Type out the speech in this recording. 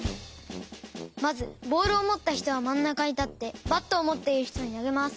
まずボールをもったひとはまんなかにたってバットをもっているひとになげます。